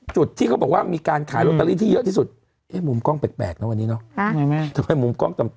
จุดที่เขาบอกว่ามีการขายลอตเตอรี่ที่เยอะที่สุดมุมกล้องแปลกเนอะวันนี้เนาะทำไมมุมกล้องต่ำ